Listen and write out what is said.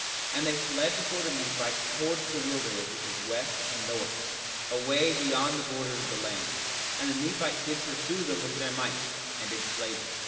2:36 And they fled before the Nephites towards the wilderness which was west and north, away beyond the borders of the land; and the Nephites did pursue them with their might, and did slay them.